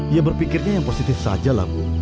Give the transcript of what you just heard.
iya berpikirnya yang positif sajalah bu